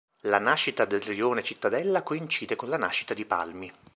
La nascita del rione Cittadella coincide con la nascita di Palmi.